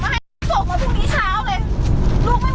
ลูกไม่มีเงินจะกินคุยกันไม่รู้เรื่องไม่ต้องปารี